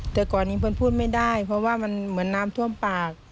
แต่ก่อนนี้เพื่อนพูดไม่ได้เพราะว่ามันเหมือนน้ำท่วมปาก